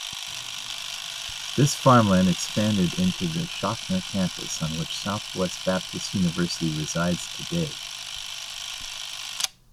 This farmland expanded into the Shoffner Campus on which Southwest Baptist University resides today.